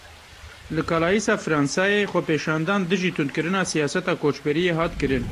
Li Calaisa Fransayê, xwepêşandan dijî tundkirina siyaseta koçberiyê hat kirin.